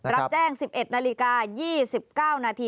รับแจ้ง๑๑นาฬิกา๒๙นาที